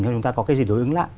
cho chúng ta có cái gì đối ứng lại